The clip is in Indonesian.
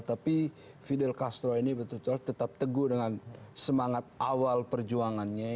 tapi fidel castro ini betul betul tetap teguh dengan semangat awal perjuangannya